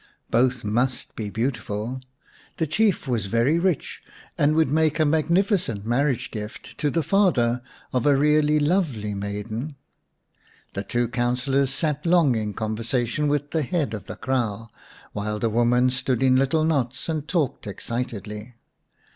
Both must be beautiful ; the Chief was very rich, and would make a magnificent marriage gift to the father of a really lovely maiden. The two councillors sat long in conversation with the head of the kraal, while the women stood in little knots and talked excitedly.